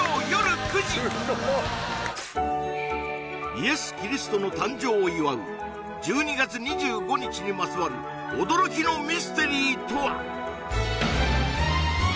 イエス・キリストの誕生を祝う１２月２５日にまつわる驚きのミステリーとは？